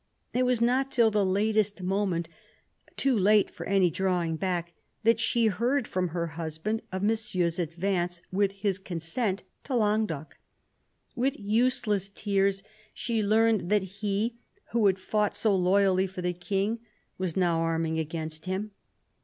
It was not till the latest moment, too late for any drawing back, that she heard from her husband of Monsieur's advance with his consent to Languedoc. With useless tears she learned that he, who had fought so loyally for the King, was now arming against him.